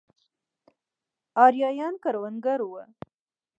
ارایایان کروندګر وو.